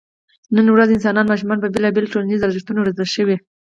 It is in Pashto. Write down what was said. نن ورځ انسانان ماشومان په بېلابېلو ټولنیزو ارزښتونو روزلی شي.